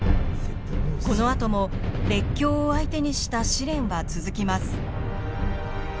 このあとも列強を相手にした試練は続きます。